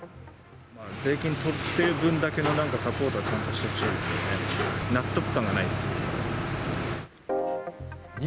税金取っている分だけのサポートはちゃんとしてほしいですよね。